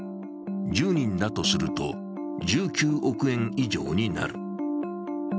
１０人だとすると１９億円以上になる。